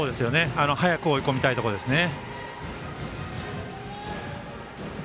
早く追い込みたいところですね。